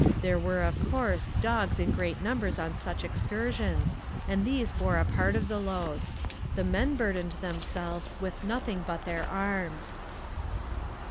There were, of course, dogs in great numbers on such excursions, and these bore a part of the load. The men burdened themselves with nothing but their arms.